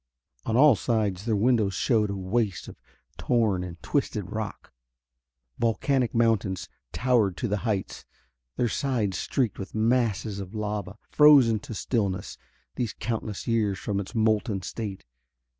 On all sides their windows showed a waste of torn and twisted rock. Volcanic mountains towered to the heights, their sides streaked with masses of lava, frozen to stillness these countless years from its molten state.